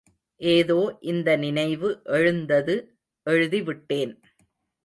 ஏதோ இந்த நினைவு எழுந்தது எழுதிவிட்டேன்.